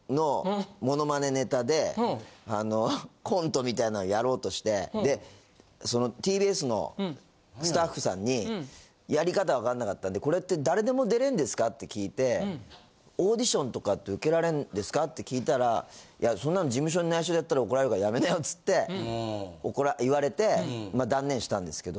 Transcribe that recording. あのコントみたいなのをやろうとしてでＴＢＳのスタッフさんにやり方わかんなかったんで「これって誰でも出れんですか？」って聞いて「オーディションとかって受けられんですか？」って聞いたら「いやそんなの事務所に内緒でやったら怒られるからやめなよ」つって言われて断念したんですけど。